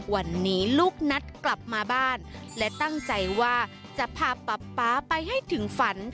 วันนี้ลูกนัดกลับมาบ้านและตั้งใจว่าจะพาป๊าป๊าไปให้ถึงฝัน